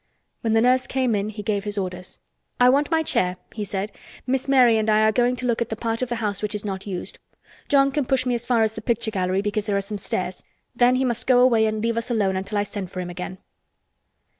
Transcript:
When the nurse came in he gave his orders. "I want my chair," he said. "Miss Mary and I are going to look at the part of the house which is not used. John can push me as far as the picture gallery because there are some stairs. Then he must go away and leave us alone until I send for him again."